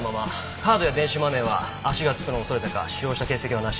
カードや電子マネーは足がつくのを恐れてか使用した形跡はなし。